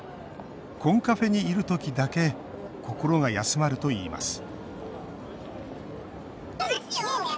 コンカフェにいる時だけ心が休まるといいます